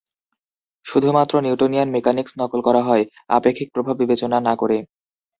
শুধুমাত্র Newtonian mechanics নকল করা হয়, আপেক্ষিক প্রভাব বিবেচনা না করে।